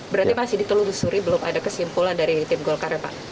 berarti masih ditelusuri belum ada kesimpulan dari tim golkar ya pak